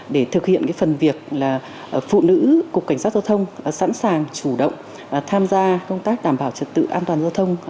để thực hiện phần việc là phụ nữ cục cảnh sát giao thông sẵn sàng chủ động tham gia công tác đảm bảo trật tự an toàn giao thông